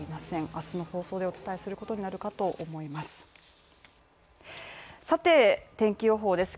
明日の放送でお伝えすることになるかと思います。